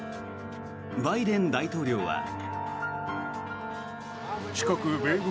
バイデン大統領は。